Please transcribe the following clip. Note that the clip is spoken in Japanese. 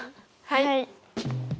はい。